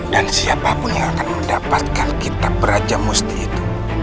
dan siapapun yang akan mendapatkan kita peraja musti itu